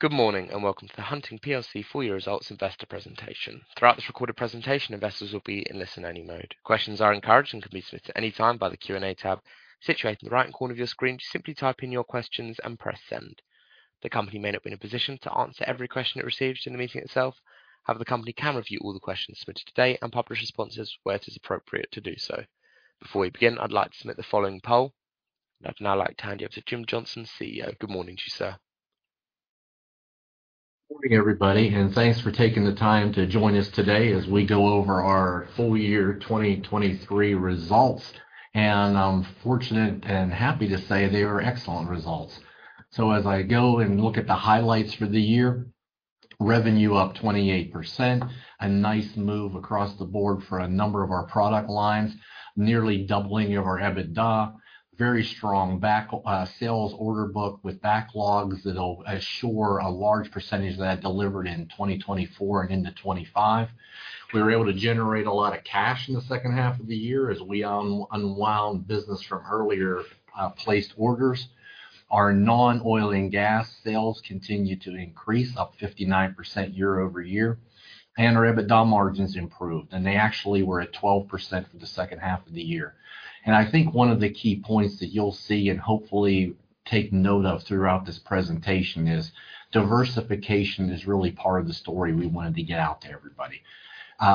Good morning and welcome to the Hunting PLC Full-Year Results Investor presentation. Throughout this recorded presentation, investors will be in listen-only mode. Questions are encouraged and can be submitted at any time by the Q&A tab situated in the right-hand corner of your screen. Just simply type in your questions and press send. The company may not be in a position to answer every question it receives in the meeting itself. However, the company can review all the questions submitted today and publish responses where it is appropriate to do so. Before we begin, I'd like to submit the following poll. I'd now like to hand you over to Jim Johnson, CEO. Good morning to you, sir. Morning, everybody, and thanks for taking the time to join us today as we go over our full-year 2023 results. I'm fortunate and happy to say they were excellent results. As I go and look at the highlights for the year, revenue up 28%, a nice move across the board for a number of our product lines, nearly doubling of our EBITDA, very strong sales order book with backlogs that'll assure a large percentage of that delivered in 2024 and into 2025. We were able to generate a lot of cash in the second half of the year as we unwound business from earlier placed orders. Our non-oil and gas sales continued to increase up 59% year-over-year, and our EBITDA margins improved, and they actually were at 12% for the second half of the year. I think one of the key points that you'll see and hopefully take note of throughout this presentation is diversification is really part of the story we wanted to get out to everybody.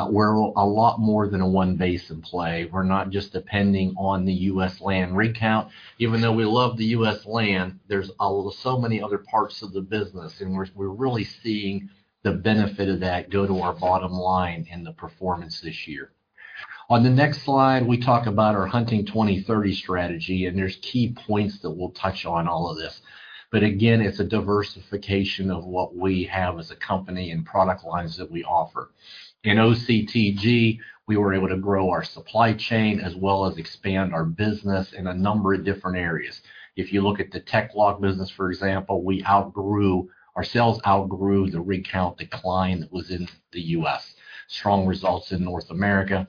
We're a lot more than a one-basin play. We're not just depending on the U.S. land rig count. Even though we love the U.S. land, there's so many other parts of the business, and we're really seeing the benefit of that go to our bottom line and the performance this year. On the next slide, we talk about our Hunting 2030 strategy, and there's key points that we'll touch on all of this. But again, it's a diversification of what we have as a company and product lines that we offer. In OCTG, we were able to grow our supply chain as well as expand our business in a number of different areas. If you look at the OCTG business, for example, our sales outgrew the rig count decline that was in the U.S., strong results in North America.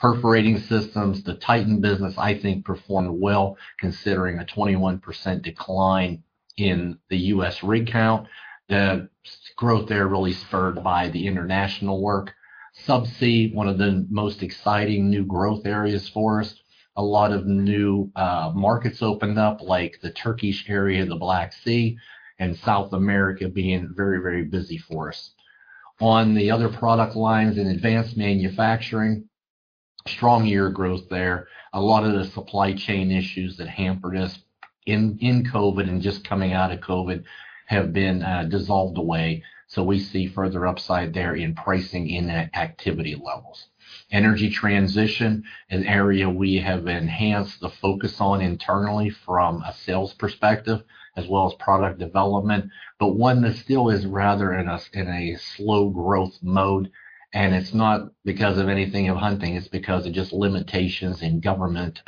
Perforating systems, the Titan business, I think performed well considering a 21% decline in the U.S. rig count. The growth there really spurred by the international work. Subsea, one of the most exciting new growth areas for us, a lot of new markets opened up like the Turkish area, the Black Sea, and South America being very, very busy for us. On the other product lines in Advanced Manufacturing, strong year growth there. A lot of the supply chain issues that hampered us in COVID and just coming out of COVID have been dissolved away. So we see further upside there in pricing and activity levels. Energy transition, an area we have enhanced the focus on internally from a sales perspective as well as product development, but one that still is rather in a slow growth mode. It's not because of anything of Hunting. It's because of just limitations in government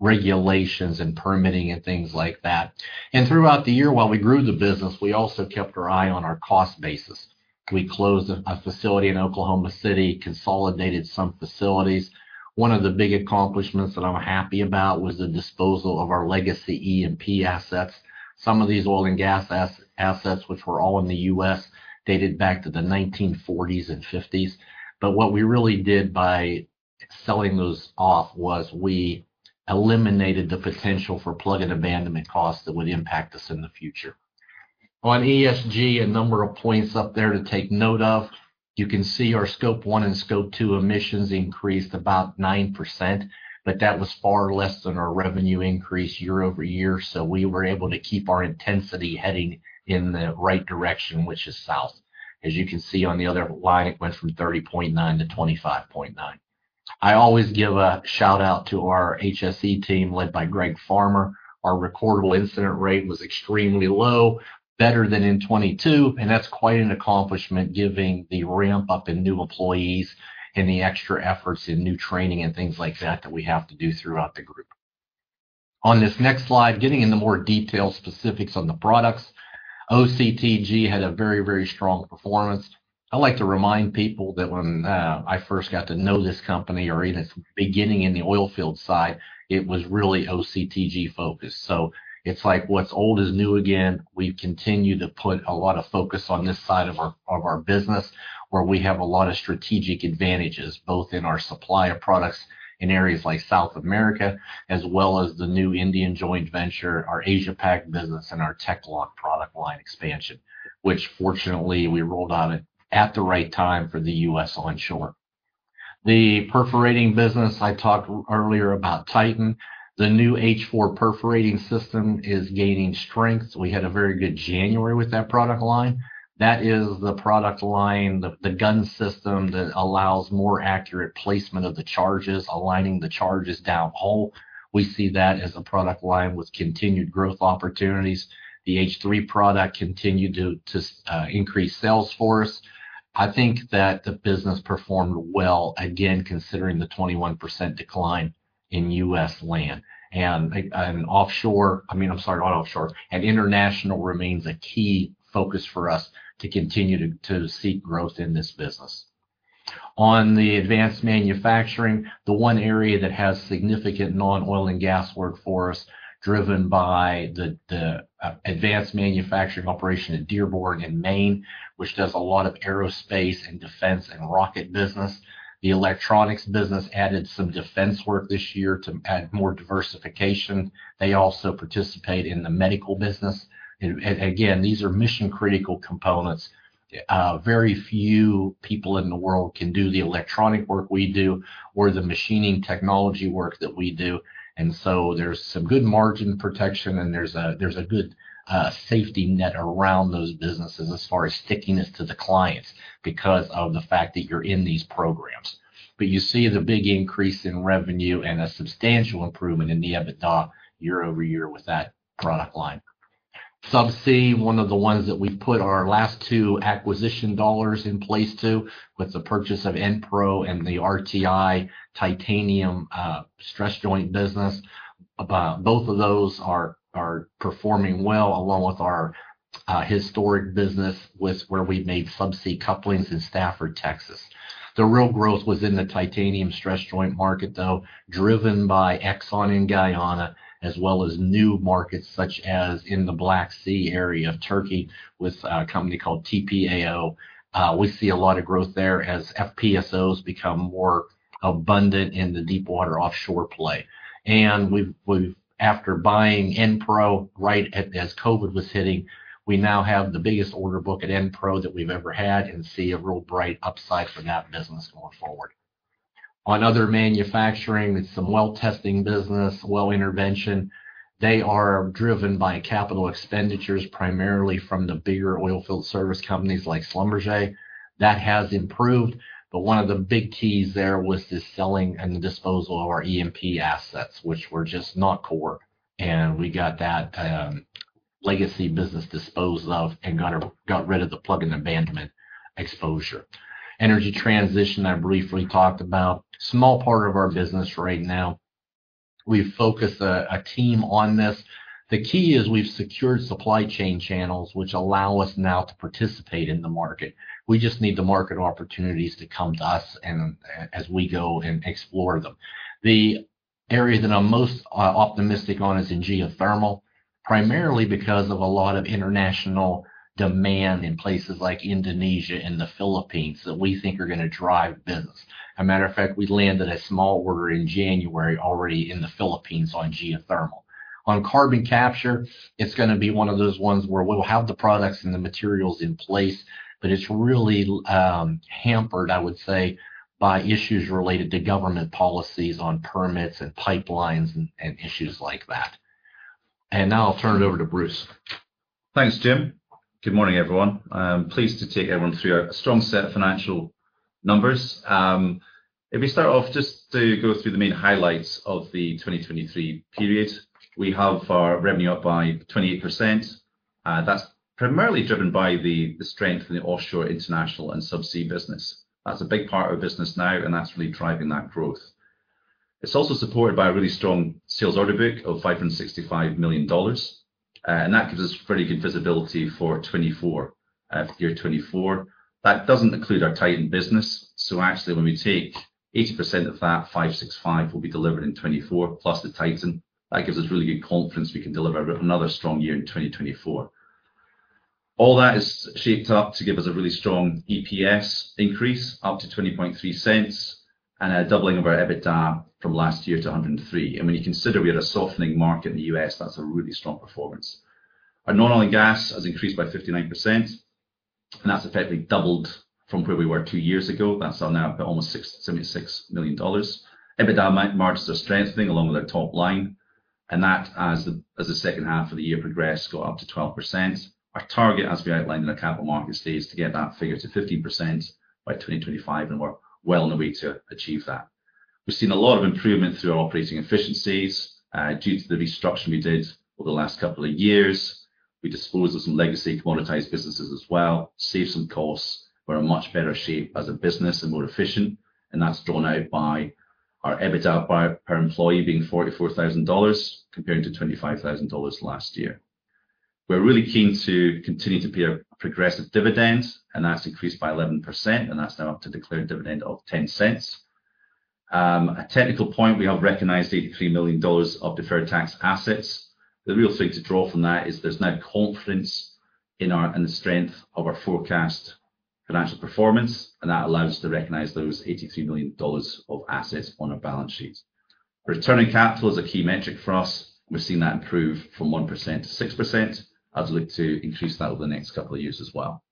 regulations and permitting and things like that. Throughout the year, while we grew the business, we also kept our eye on our cost basis. We closed a facility in Oklahoma City, consolidated some facilities. One of the big accomplishments that I'm happy about was the disposal of our legacy E&P assets. Some of these oil and gas assets, which were all in the U.S., dated back to the 1940s and 1950s. But what we really did by selling those off was we eliminated the potential for plug and abandonment costs that would impact us in the future. On ESG, a number of points up there to take note of. You can see our Scope 1 and Scope 2 emissions increased about 9%, but that was far less than our revenue increase year-over-year. So we were able to keep our intensity heading in the right direction, which is south. As you can see on the other line, it went from 30.9 to 25.9. I always give a shout-out to our HSE team led by Greg Farmer. Our recordable incident rate was extremely low, better than in 2022, and that's quite an accomplishment given the ramp-up in new employees and the extra efforts in new training and things like that that we have to do throughout the group. On this next slide, getting into more detailed specifics on the products, OCTG had a very, very strong performance. I like to remind people that when I first got to know this company or even beginning in the oilfield side, it was really OCTG-focused. So it's like what's old is new again. We continue to put a lot of focus on this side of our business where we have a lot of strategic advantages both in our supply of products in areas like South America as well as the new Indian joint venture, our Asia-Pac business, and our TEC-LOCK product line expansion, which fortunately we rolled out at the right time for the U.S. onshore. The perforating business, I talked earlier about Titan. The new H-4 perforating system is gaining strength. We had a very good January with that product line. That is the product line, the gun system that allows more accurate placement of the charges, aligning the charges downhole. We see that as a product line with continued growth opportunities. The H-3 product continued to increase sales for us. I think that the business performed well, again, considering the 21% decline in U.S. land. And offshore, I mean, I'm sorry, not offshore, and international remains a key focus for us to continue to seek growth in this business. On the advanced manufacturing, the one area that has significant non-oil and gas work for us, driven by the advanced manufacturing operation at Dearborn in Maine, which does a lot of aerospace and defense and rocket business, the electronics business added some defense work this year to add more diversification. They also participate in the medical business. Again, these are mission-critical components. Very few people in the world can do the electronic work we do or the machining technology work that we do. So there's some good margin protection, and there's a good safety net around those businesses as far as stickiness to the clients because of the fact that you're in these programs. But you see the big increase in revenue and a substantial improvement in the EBITDA year over year with that product line. Subsea, one of the ones that we've put our last two acquisition dollars in place to with the purchase of Enpro and the RTI Titanium Stress Joint business. Both of those are performing well along with our historic business where we've made Subsea couplings in Stafford, Texas. The real growth was in the Titanium Stress Joint market, though, driven by Exxon and Guyana as well as new markets such as in the Black Sea area of Turkey with a company called TPAO. We see a lot of growth there as FPSOs become more abundant in the deepwater offshore play. After buying Enpro right as COVID was hitting, we now have the biggest order book at Enpro that we've ever had and see a real bright upside for that business going forward. On other manufacturing, it's some well-testing business, well intervention. They are driven by capital expenditures primarily from the bigger oilfield service companies like Schlumberger. That has improved, but one of the big keys there was the selling and the disposal of our E&P assets, which were just not core. We got that legacy business disposed of and got rid of the plug-and-abandonment exposure. Energy transition, I briefly talked about. Small part of our business right now. We've focused a team on this. The key is we've secured supply chain channels, which allow us now to participate in the market. We just need the market opportunities to come to us as we go and explore them. The area that I'm most optimistic on is in geothermal, primarily because of a lot of international demand in places like Indonesia and the Philippines that we think are going to drive business. As a matter of fact, we landed a small order in January already in the Philippines on geothermal. On carbon capture, it's going to be one of those ones where we'll have the products and the materials in place, but it's really hampered, I would say, by issues related to government policies on permits and pipelines and issues like that. Now I'll turn it over to Bruce. Thanks, Jim. Good morning, everyone. Pleased to take everyone through a strong set of financial numbers. If we start off, just to go through the main highlights of the 2023 period, we have our revenue up by 28%. That's primarily driven by the strength in the offshore international and subsea business. That's a big part of our business now, and that's really driving that growth. It's also supported by a really strong sales order book of $565 million. And that gives us pretty good visibility for year 2024. That doesn't include our Titan business. So actually, when we take 80% of that, 565 will be delivered in 2024 plus the Titan. That gives us really good confidence we can deliver another strong year in 2024. All that is shaped up to give us a really strong EPS increase up to $0.203 and a doubling of our EBITDA from last year to $103 million. And when you consider we had a softening market in the U.S., that's a really strong performance. Our non-oil and gas has increased by 59%, and that's effectively doubled from where we were two years ago. That's now almost $76 million. EBITDA margins are strengthening along with our top line. And that, as the second half of the year progressed, got up to 12%. Our target, as we outlined in our Capital Markets Day, is to get that figure to 15% by 2025, and we're well on the way to achieve that. We've seen a lot of improvement through our operating efficiencies due to the restructure we did over the last couple of years. We disposed of some legacy commoditized businesses as well, saved some costs, we're in much better shape as a business and more efficient. That's drawn out by our EBITDA per employee being $44,000 compared to $25,000 last year. We're really keen to continue to pay a progressive dividend, and that's increased by 11%, and that's now up to declared dividend of $0.10. A technical point, we have recognized $83 million of deferred tax assets. The real thing to draw from that is there's now confidence in the strength of our forecast financial performance, and that allows us to recognize those $83 million of assets on our balance sheet. Return on capital is a key metric for us. We've seen that improve from 1%-6%. I'd like to increase that over the next couple of years as well.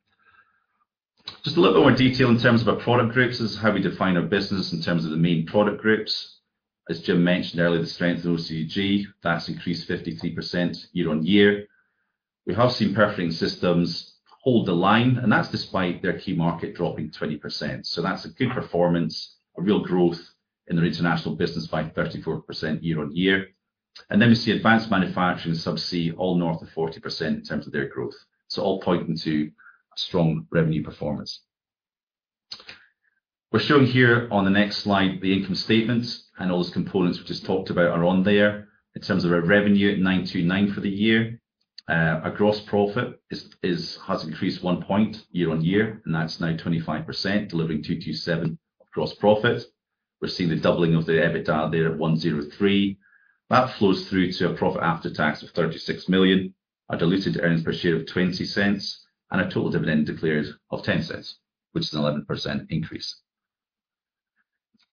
Just a little bit more detail in terms of our product groups is how we define our business in terms of the main product groups. As Jim mentioned earlier, the strength in OCTG, that's increased 53% year-on-year. We have seen perforating systems hold the line, and that's despite their key market dropping 20%. So that's a good performance, a real growth in their international business by 34% year-on-year. And then we see advanced manufacturing subsea all north of 40% in terms of their growth. So all pointing to a strong revenue performance. We're showing here on the next slide the income statements, and all those components we just talked about are on there. In terms of our revenue, $929 million for the year. Our gross profit has increased one point year-on-year, and that's now 25%, delivering $227 million of gross profit. We're seeing the doubling of the EBITDA there at $103 million. That flows through to a profit after tax of $36 million, a diluted earnings per share of $0.20, and a total dividend declared of $0.10, which is an 11% increase.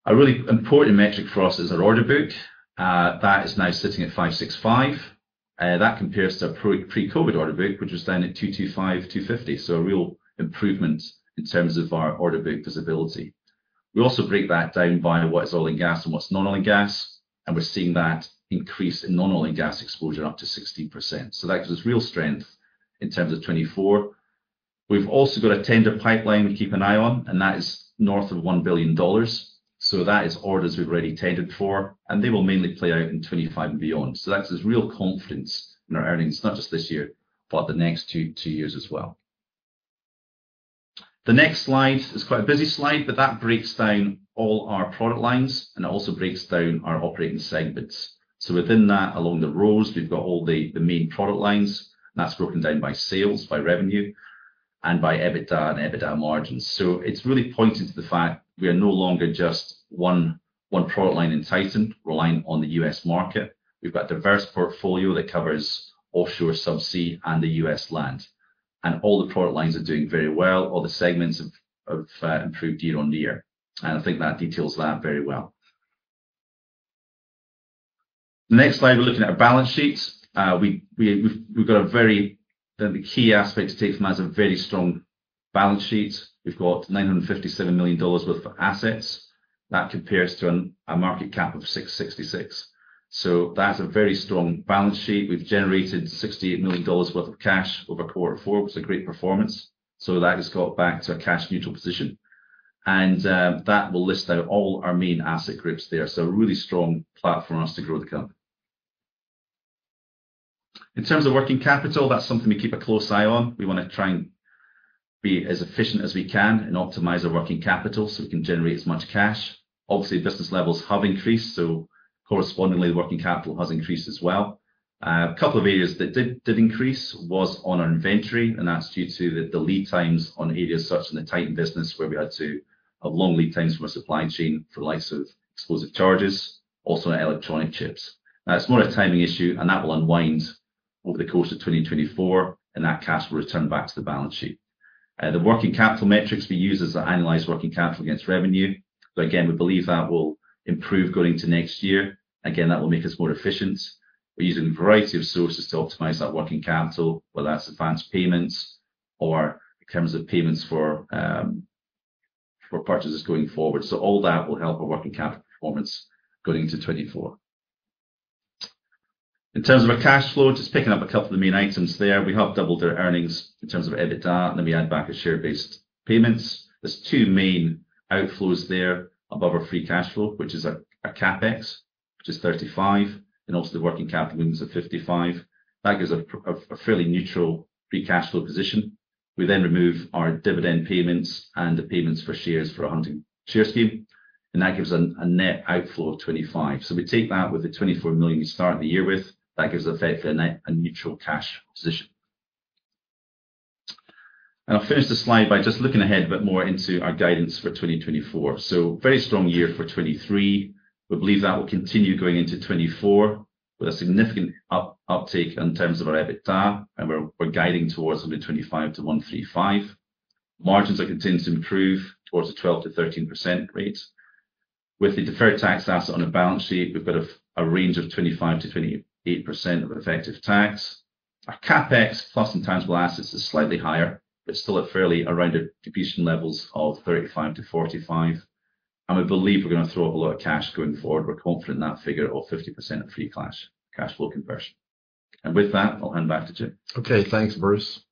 A really important metric for us is our order book. That is now sitting at $565 million. That compares to our pre-COVID order book, which was down at $225 million-$250 million. So a real improvement in terms of our order book visibility. We also break that down by what is oil and gas and what's non-oil and gas, and we're seeing that increase in non-oil and gas exposure up to 16%. So that gives us real strength in terms of 2024. We've also got a tender pipeline we keep an eye on, and that is north of $1 billion. So that is orders we've already tended for, and they will mainly play out in 2025 and beyond. So that gives us real confidence in our earnings, not just this year, but the next two years as well. The next slide is quite a busy slide, but that breaks down all our product lines, and it also breaks down our operating segments. So within that, along the rows, we've got all the main product lines, and that's broken down by sales, by revenue, and by EBITDA and EBITDA margins. So it's really pointing to the fact we are no longer just one product line in Titan, relying on the U.S. market. We've got a diverse portfolio that covers offshore, subsea, and the U.S. land. And all the product lines are doing very well. All the segments have improved year-over-year. And I think that details that very well. The next slide, we're looking at our balance sheets. The key aspect to take from that is a very strong balance sheet. We've got $957 million worth of assets. That compares to a market cap of $666 million. So that's a very strong balance sheet. We've generated $68 million worth of cash over quarter four, which is a great performance. So that has got back to a cash-neutral position. And that will list out all our main asset groups there. So a really strong platform for us to grow the company. In terms of working capital, that's something we keep a close eye on. We want to try and be as efficient as we can and optimize our working capital so we can generate as much cash. Obviously, business levels have increased, so correspondingly, the working capital has increased as well. A couple of areas that did increase was on our inventory, and that's due to the lead times on areas such as the Titan business where we had long lead times from our supply chain for the likes of explosive charges, also electronic chips. Now, it's more a timing issue, and that will unwind over the course of 2024, and that cash will return back to the balance sheet. The working capital metrics we use is to analyze working capital against revenue. So again, we believe that will improve going into next year. Again, that will make us more efficient. We're using a variety of sources to optimize that working capital, whether that's advanced payments or in terms of payments for purchases going forward. So all that will help our working capital performance going into 2024. In terms of our cash flow, just picking up a couple of the main items there, we have doubled our earnings in terms of EBITDA, and then we add back our share-based payments. There's two main outflows there above our free cash flow, which is a CapEx, which is $35 million, and also the working capital movements of $55 million. That gives a fairly neutral free cash flow position. We then remove our dividend payments and the payments for shares for a Hunting share scheme, and that gives us a net outflow of $25 million. So we take that with the $24 million we start the year with. That gives us effectively a neutral cash position. And I'll finish the slide by just looking ahead a bit more into our guidance for 2024. So very strong year for 2023. We believe that will continue going into 2024 with a significant uptake in terms of our EBITDA, and we're guiding towards something like $125 million-$135 million. Margins are continuing to improve towards a 12%-13% rate. With the deferred tax asset on our balance sheet, we've got a range of 25%-28% of effective tax. Our CapEx plus intangible assets is slightly higher, but it's still fairly around our depletion levels of $35 million-$45 million. We believe we're going to throw up a lot of cash going forward. We're confident in that figure of 50% of free cash flow conversion. With that, I'll hand back to Jim. Okay. Thanks, Bruce.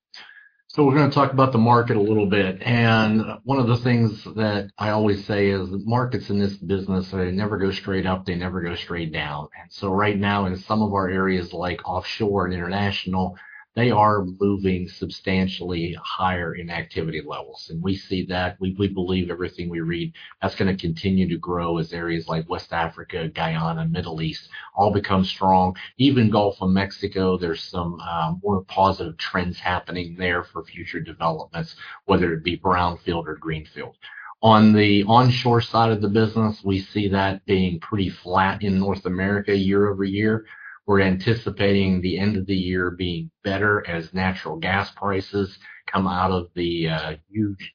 We're going to talk about the market a little bit. One of the things that I always say is the markets in this business, they never go straight up. They never go straight down. So right now, in some of our areas like offshore and international, they are moving substantially higher in activity levels. We see that. We believe everything we read that's going to continue to grow as areas like West Africa, Guyana, Middle East all become strong. Even Gulf of Mexico, there's some more positive trends happening there for future developments, whether it be brownfield or greenfield. On the onshore side of the business, we see that being pretty flat in North America year-over-year. We're anticipating the end of the year being better as natural gas prices come out of the huge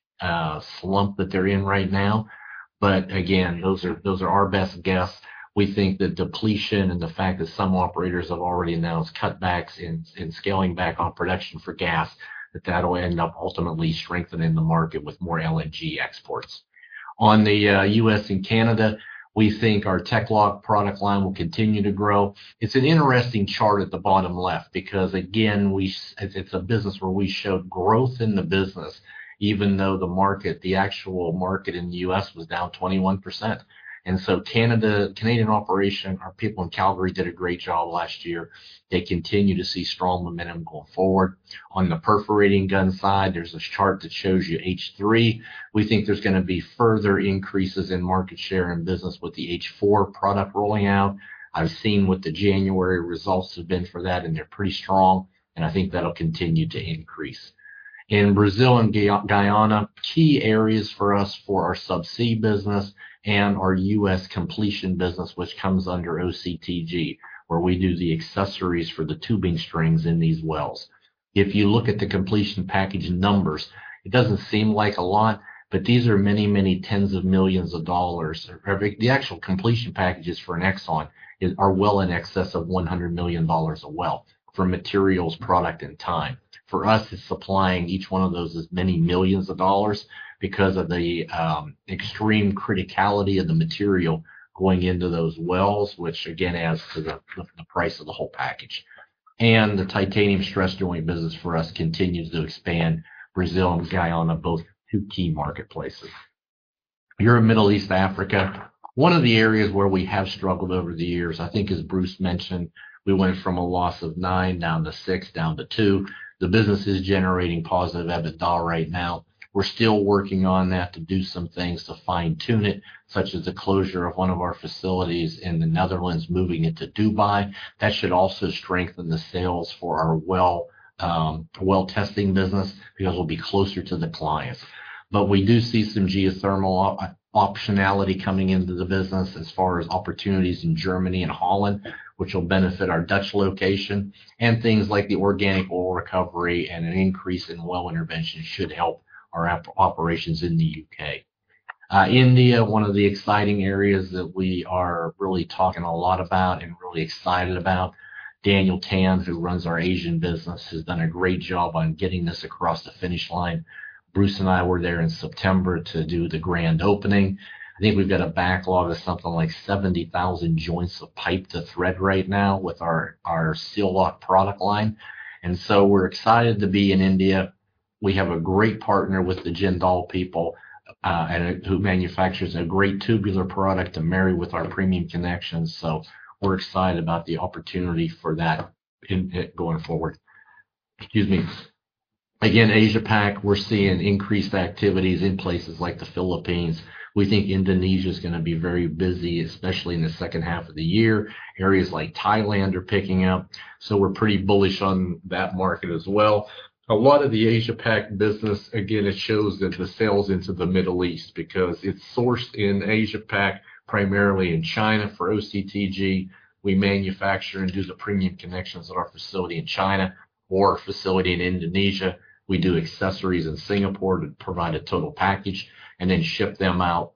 slump that they're in right now. But again, those are our best guess. We think the depletion and the fact that some operators have already announced cutbacks in scaling back on production for gas, that that will end up ultimately strengthening the market with more LNG exports. On the U.S. and Canada, we think our TEC-LOCK product line will continue to grow. It's an interesting chart at the bottom left because, again, it's a business where we showed growth in the business, even though the actual market in the U.S. was down 21%. And so Canadian operation, our people in Calgary did a great job last year. They continue to see strong momentum going forward. On the perforating gun side, there's a chart that shows you H3. We think there's going to be further increases in market share and business with the H4 product rolling out. I've seen what the January results have been for that, and they're pretty strong. I think that'll continue to increase. In Brazil and Guyana, key areas for us for our subsea business and our U.S. completion business, which comes under OCTG, where we do the accessories for the tubing strings in these wells. If you look at the completion package numbers, it doesn't seem like a lot, but these are many, many tens of millions of dollars. The actual completion packages for an Exxon are well in excess of $100 million a well for materials, product, and time. For us, it's supplying each one of those as many millions of dollars because of the extreme criticality of the material going into those wells, which again, adds to the price of the whole package. The titanium stress joint business for us continues to expand Brazil and Guyana, both two key marketplaces. Here in Middle East Africa, one of the areas where we have struggled over the years, I think as Bruce mentioned, we went from a loss of $9 down to $6, down to $2. The business is generating positive EBITDA right now. We're still working on that to do some things to fine-tune it, such as the closure of one of our facilities in the Netherlands, moving it to Dubai. That should also strengthen the sales for our well testing business because we'll be closer to the clients. But we do see some geothermal optionality coming into the business as far as opportunities in Germany and Holland, which will benefit our Dutch location. And things like the Organic Oil Recovery and an increase in well intervention should help our operations in the U.K. India, one of the exciting areas that we are really talking a lot about and really excited about, Daniel Tan, who runs our Asian business, has done a great job on getting this across the finish line. Bruce and I were there in September to do the grand opening. I think we've got a backlog of something like 70,000 joints of pipe to thread right now with our SEAL-LOCK product line. So we're excited to be in India. We have a great partner with the Jindal people who manufactures a great tubular product to marry with our premium connections. So we're excited about the opportunity for that going forward. Excuse me. Again, Asia-Pac, we're seeing increased activities in places like the Philippines. We think Indonesia is going to be very busy, especially in the second half of the year. Areas like Thailand are picking up. So we're pretty bullish on that market as well. A lot of the Asia-Pac business, again, it shows that the sales into the Middle East because it's sourced in Asia-Pac primarily in China for OCTG. We manufacture and do the premium connections at our facility in China or facility in Indonesia. We do accessories in Singapore to provide a total package and then ship them out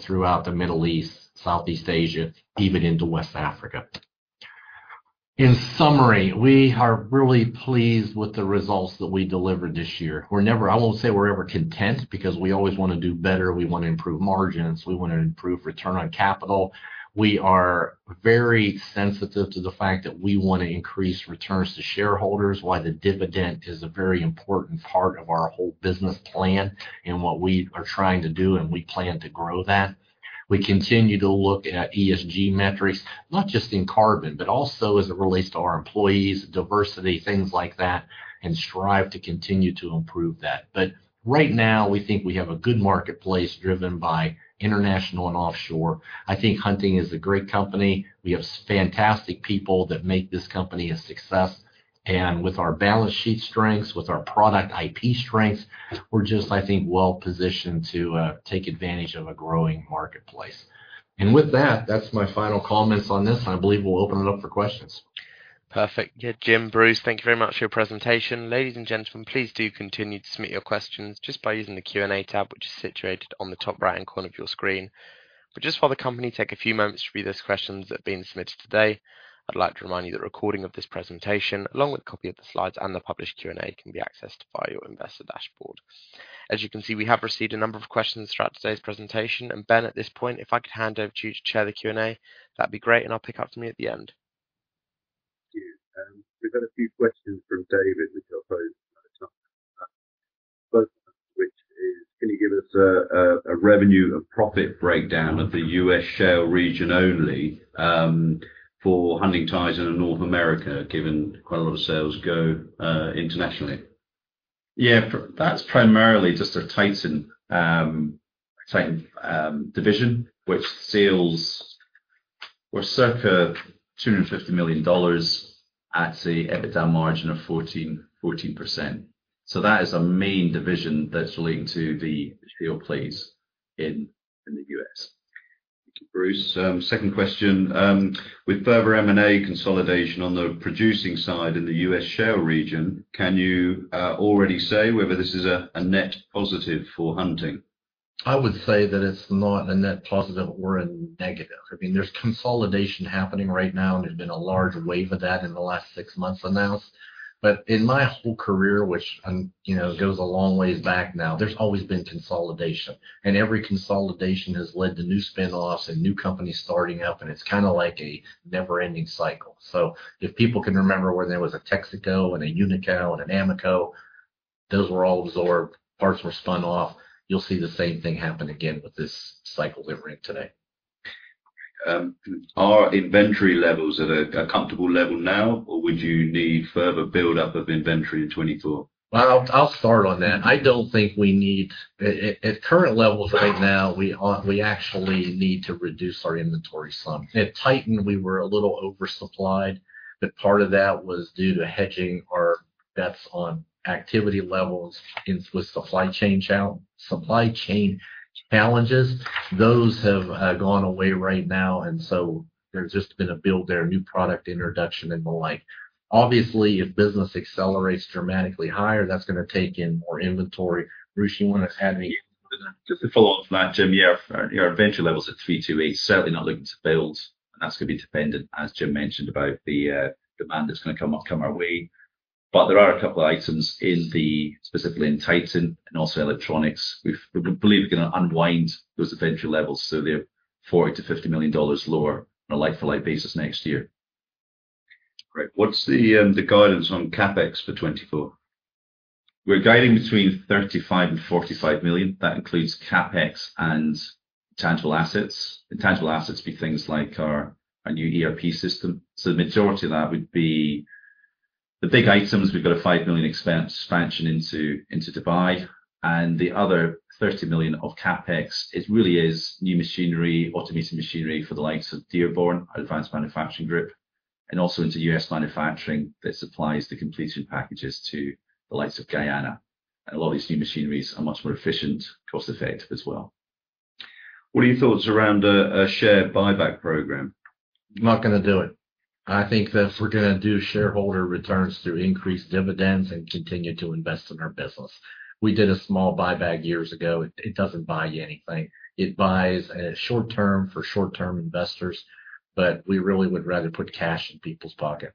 throughout the Middle East, Southeast Asia, even into West Africa. In summary, we are really pleased with the results that we delivered this year. I won't say we're ever content because we always want to do better. We want to improve margins. We want to improve return on capital. We are very sensitive to the fact that we want to increase returns to shareholders, why the dividend is a very important part of our whole business plan and what we are trying to do, and we plan to grow that. We continue to look at ESG metrics, not just in carbon, but also as it relates to our employees, diversity, things like that, and strive to continue to improve that. But right now, we think we have a good marketplace driven by international and offshore. I think Hunting is a great company. We have fantastic people that make this company a success. And with our balance sheet strengths, with our product IP strengths, we're just, I think, well positioned to take advantage of a growing marketplace. And with that, that's my final comments on this. And I believe we'll open it up for questions. Perfect. Yeah, Jim, Bruce, thank you very much for your presentation. Ladies and gentlemen, please do continue to submit your questions just by using the Q&A tab, which is situated on the top right-hand corner of your screen. But just while the company takes a few moments to read those questions that have been submitted today, I'd like to remind you that the recording of this presentation, along with a copy of the slides and the published Q&A, can be accessed via your investor dashboard. As you can see, we have received a number of questions throughout today's presentation. Ben, at this point, if I could hand over to you to chair the Q&A, that'd be great, and I'll pick up from you at the end. Thank you. We've got a few questions from David, which I'll pose at a time. The first one of them, which is, can you give us a revenue and profit breakdown of the U.S. shale region only for Hunting Titan in North America, given quite a lot of sales go internationally? Yeah. That's primarily just our Titan division, which sales were circa $250 million at the EBITDA margin of 14%. So that is a main division that's relating to the shale plays in the U.S. Thank you, Bruce. Second question. With further M&A consolidation on the producing side in the U.S. shale region, can you already say whether this is a net positive for Hunting? I would say that it's not a net positive or a negative. I mean, there's consolidation happening right now, and there's been a large wave of that in the last six months announced. But in my whole career, which goes a long ways back now, there's always been consolidation. And every consolidation has led to new spin-offs and new companies starting up, and it's kind of like a never-ending cycle. So if people can remember when there was a Texaco and a Unocal and an Amoco, those were all absorbed. Parts were spun off. You'll see the same thing happen again with this cycle that we're in today. Are inventory levels at a comfortable level now, or would you need further buildup of inventory in 2024? Well, I'll start on that. I don't think we need at current levels right now, we actually need to reduce our inventory some. At Titan, we were a little oversupplied, but part of that was due to hedging our bets on activity levels with supply chain challenges. Those have gone away right now, and so there's just been a build there, new product introduction and the like. Obviously, if business accelerates dramatically higher, that's going to take in more inventory. Bruce, you want to add any? Just to follow up on that, Jim, yeah, your inventory levels at $328, certainly not looking to build. And that's going to be dependent, as Jim mentioned, about the demand that's going to come our way. But there are a couple of items specifically in Titan and also electronics. We believe we're going to unwind those inventory levels, so they're $40 million-$50 million lower on a light-for-light basis next year. Great. What's the guidance on CapEx for 2024? We're guiding between $35 million and $45 million. That includes CapEx and tangible assets. Tangible assets would be things like our new ERP system. So the majority of that would be the big items. We've got a $5 million expense expansion into Dubai. And the other $30 million of CapEx, it really is new machinery, automated machinery for the likes of Dearborn, our advanced manufacturing group, and also into U.S. manufacturing that supplies the completion packages to the likes of Guyana. And a lot of these new machineries are much more efficient, cost-effective as well. What are your thoughts around a share buyback program? I'm not going to do it. I think that we're going to do shareholder returns through increased dividends and continue to invest in our business. We did a small buyback years ago. It doesn't buy you anything. It buys short-term for short-term investors, but we really would rather put cash in people's pocket.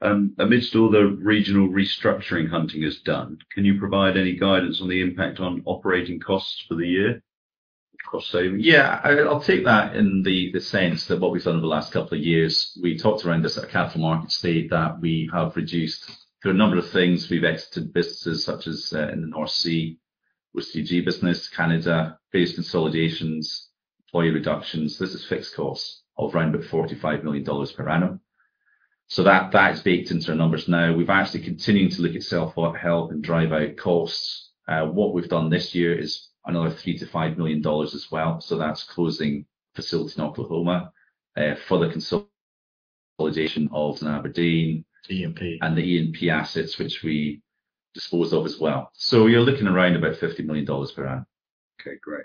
Okay. Amidst all the regional restructuring Hunting is done, can you provide any guidance on the impact on operating costs for the year, cost savings? Yeah. I'll take that in the sense that what we've done over the last couple of years, we talked around this at a capital markets date that we have reduced through a number of things. We've exited businesses such as in the North Sea, OCTG business, Canada, various consolidations, employee reductions. This is fixed costs of around about $45 million per annum. So that's baked into our numbers now. We've actually continued to look at self-help and drive out costs. What we've done this year is another $3 million-$5 million as well. So that's closing facility in Oklahoma, further consolidation of. And Aberdeen. E&P. The E&P assets, which we dispose of as well. You're looking around about $50 million per annum. Okay. Great.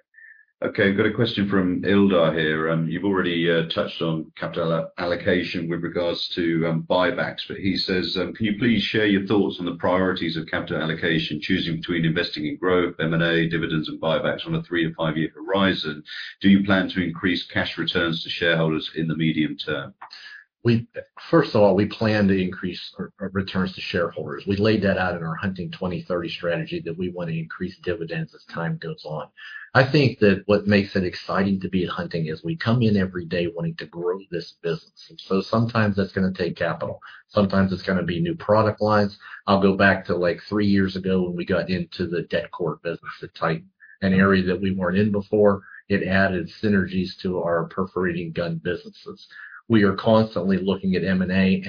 Okay. I've got a question from Ildar here. You've already touched on capital allocation with regards to buybacks, but he says, "Can you please share your thoughts on the priorities of capital allocation, choosing between investing in growth, M&A, dividends, and buybacks on a 3-5-year horizon? Do you plan to increase cash returns to shareholders in the medium term? First of all, we plan to increase our returns to shareholders. We laid that out in our Hunting 2030 strategy that we want to increase dividends as time goes on. I think that what makes it exciting to be at Hunting is we come in every day wanting to grow this business. And so sometimes that's going to take capital. Sometimes it's going to be new product lines. I'll go back to like three years ago when we got into the det cord business at Titan, an area that we weren't in before. It added synergies to our perforating gun businesses. We are constantly looking at M&A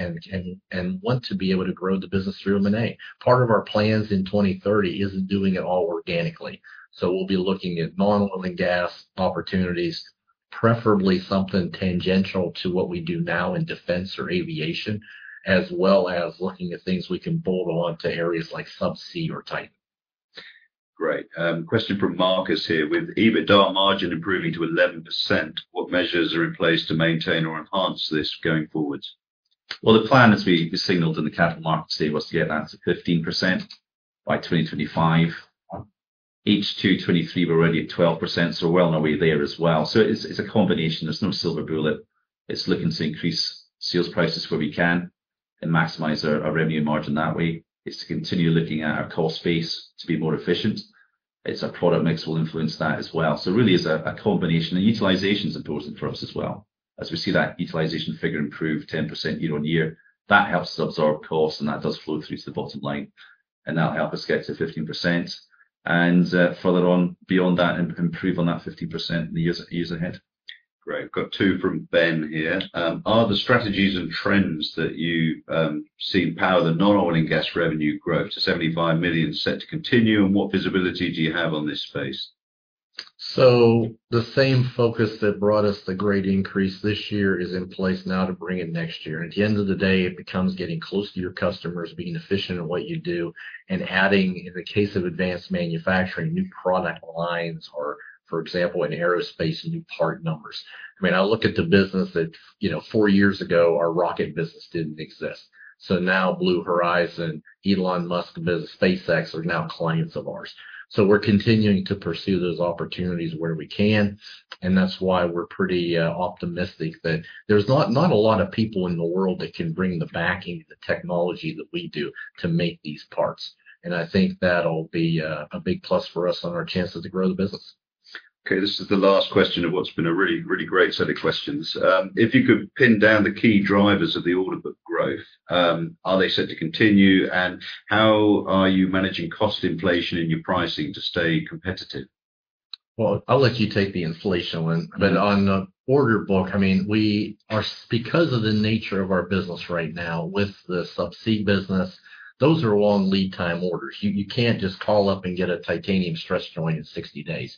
and want to be able to grow the business through M&A. Part of our plans in 2030 isn't doing it all organically. So we'll be looking at non-oil and gas opportunities, preferably something tangential to what we do now in defense or aviation, as well as looking at things we can build on to areas like Subsea or Titan. Great. Question from Marcus here. With EBITDA margin improving to 11%, what measures are in place to maintain or enhance this going forwards? Well, the plan as we signaled in the Capital Markets Day was to get that to 15% by 2025. H2 2023 we were already at 12%, so we'll know we're there as well. So it's a combination. There's no silver bullet. It's looking to increase sales prices where we can and maximize our revenue margin that way. It's to continue looking at our cost base to be more efficient. It's our product mix will influence that as well. So really, it's a combination. The utilization is important for us as well. As we see that utilization figure improve 10% year-on-year, that helps us absorb costs, and that does flow through to the bottom line. And that'll help us get to 15%. And further on, beyond that, improve on that 15% in the years ahead. Great. Got two from Ben here. Are the strategies and trends that you see empower the non-oil and gas revenue growth to $75 million set to continue? And what visibility do you have on this space? So the same focus that brought us the great increase this year is in place now to bring it next year. At the end of the day, it becomes getting close to your customers, being efficient in what you do, and adding, in the case of advanced manufacturing, new product lines or, for example, in aerospace, new part numbers. I mean, I look at the business that four years ago, our rocket business didn't exist. Now Blue Origin, Elon Musk business, SpaceX are now clients of ours. So we're continuing to pursue those opportunities where we can. And that's why we're pretty optimistic that there's not a lot of people in the world that can bring the backing and the technology that we do to make these parts. And I think that'll be a big plus for us on our chances to grow the business. Okay. This is the last question of what's been a really, really great set of questions. If you could pin down the key drivers of the order book growth, are they set to continue? And how are you managing cost inflation in your pricing to stay competitive? Well, I'll let you take the inflation one. But on the order book, I mean, because of the nature of our business right now with the Subsea business, those are long lead-time orders. You can't just call up and get a Titanium Stress Joint in 60 days.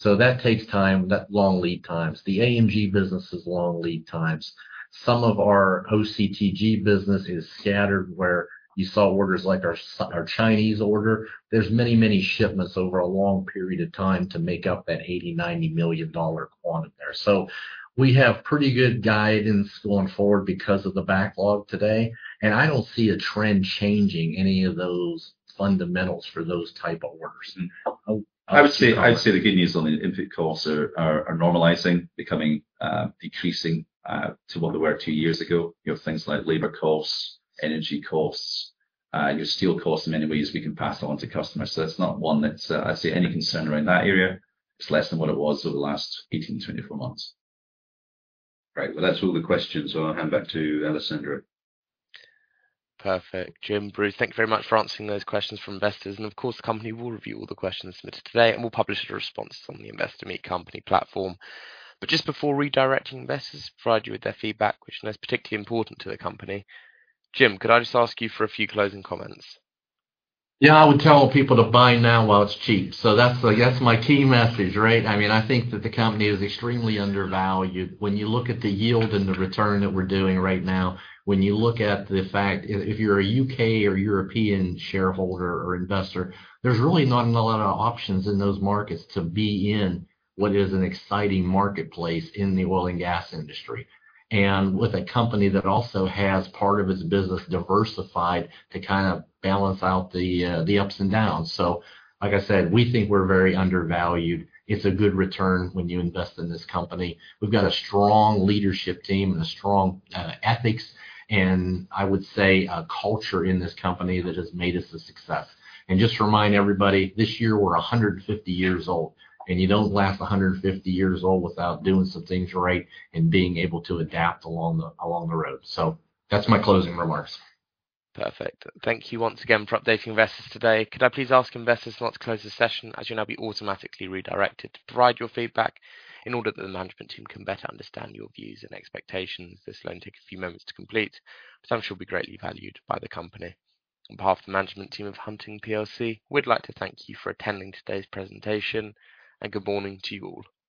So that takes time. That long lead times. The AMG business is long lead times. Some of our OCTG business is scattered where you saw orders like our Chinese order. There's many, many shipments over a long period of time to make up that $80-$90 million quantity there. So we have pretty good guidance going forward because of the backlog today. I don't see a trend changing any of those fundamentals for those type of orders. I'd say the good news on the input costs are normalizing, becoming decreasing to what they were two years ago. You have things like labor costs, energy costs, steel costs. In many ways we can pass on to customers. So that's not one that's I see any concern around that area. It's less than what it was over the last 18-24 months. Great. Well, that's all the questions, so I'll hand back to Alessandra. Perfect. Jim, Bruce, thank you very much for answering those questions from investors. And of course, the company will review all the questions submitted today, and we'll publish the responses on the Investor Meet Company platform. But just before redirecting investors, provide you with their feedback, which is particularly important to the company. Jim, could I just ask you for a few closing comments? Yeah. I would tell people to buy now while it's cheap. So that's my key message, right? I mean, I think that the company is extremely undervalued. When you look at the yield and the return that we're doing right now, when you look at the fact if you're a U.K. or European shareholder or investor, there's really not a lot of options in those markets to be in what is an exciting marketplace in the oil and gas industry and with a company that also has part of its business diversified to kind of balance out the ups and downs. So like I said, we think we're very undervalued. It's a good return when you invest in this company. We've got a strong leadership team and a strong ethics and, I would say, a culture in this company that has made us a success. Just to remind everybody, this year, we're 150 years old. You don't last 150 years old without doing some things right and being able to adapt along the road. That's my closing remarks. Perfect. Thank you once again for updating investors today. Could I please ask investors not to close the session as you'll now be automatically redirected to provide your feedback in order that the management team can better understand your views and expectations? This will only take a few moments to complete, but I'm sure it'll be greatly valued by the company. On behalf of the management team of Hunting PLC, we'd like to thank you for attending today's presentation, and good morning to you all.